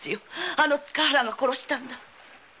あの塚原が殺したんだ‼